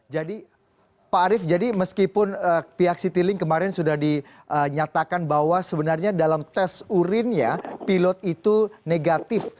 jadi pak arief meskipun pihak citylink kemarin sudah dinyatakan bahwa sebenarnya dalam tes urinnya pilot itu negatif